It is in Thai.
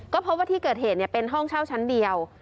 ก็พบว่าที่เกิดเหตุเป็นห้องเช่าชั้นเดียว